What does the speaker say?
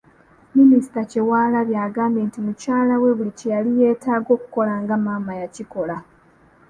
Minisita Kyewalabye agambye nti mukyala we buli kye yali yeetaaga okukola nga maama yakikola .